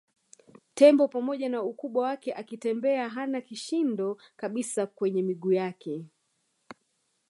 Tembo pamoja na ukubwa wake akitembea hana kishindo kabisa kwenye miguu yake